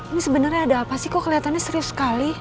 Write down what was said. ini sebenarnya ada apa sih kok kelihatannya serius sekali